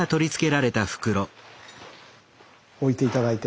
置いて頂いて。